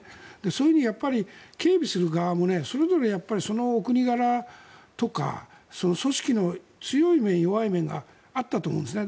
そういうふうに警備する側もそれぞれそのお国柄とか組織の強い面、弱い面があったと思うんですね。